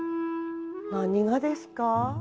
何がですか？